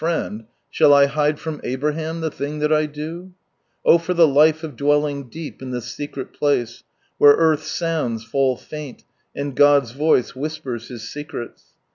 friend, " shall I hide from Abraham the thing that I do ?" Oh for the life of dwelling deep in the secret place, where earth's sounds fall faint, and God's voice whispers His secrets